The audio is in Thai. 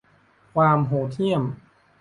ความโหดเหี้ยม